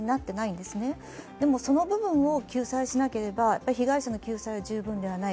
でもその部分を救済しなければ被害者の救済は十分ではない。